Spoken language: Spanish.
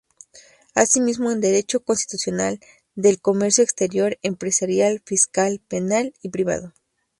Asimismo, en Derecho Constitucional; del Comercio Exterior; Empresarial; Fiscal; Penal y Privado.